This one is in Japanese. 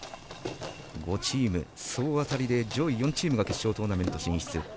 ５チーム総当たりで上位４チームが決勝トーナメント進出。